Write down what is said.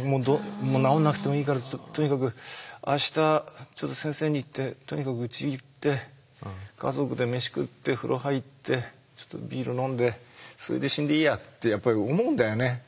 もう治んなくてもいいからとにかく明日ちょっと先生に言ってとにかくうち行って家族で飯食って風呂入ってちょっとビール飲んでそれで死んでいいや」ってやっぱり思うんだよね。